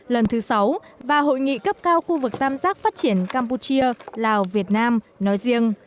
lần thứ sáu và hội nghị cấp cao khu vực tam giác phát triển campuchia lào việt nam nói riêng